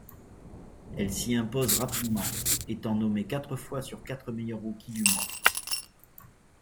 Elle s'y impose rapidement, étant nommée quatre fois sur quatre meilleure rookie du mois.